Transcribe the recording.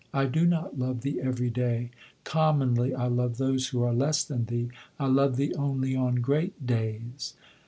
I do not love thee every day commonly I love those who are less than thee; I love thee only on great days.